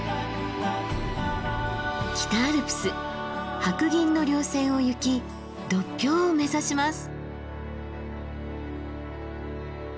北アルプス白銀の稜線を行き独標を目指します。